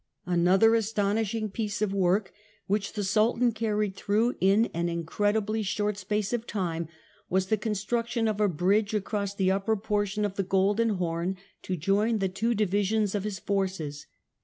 Another astonishing piece of work, which the Sultan carried Turkish through in an incredibly short space of time, was the SSjiden construction of a bridge across the upper portion of the ^°'"" Golden Horn to join the two divisions of his forces.